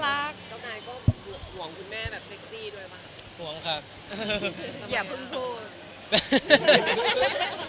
เจ้านายห่วงคุณแม่แบบเซ็กซี่ด้วยหรือเปล่าครับ